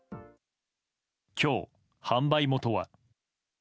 今日、販売元は。